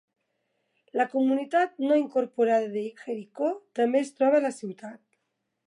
La comunitat no incorporada de Jericho també es troba a la ciutat.